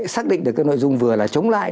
xác định được cái nội dung vừa là chống lại